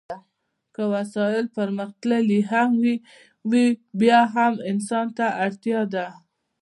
که وسایل پرمختللي هم وي بیا هم انسان ته اړتیا ده.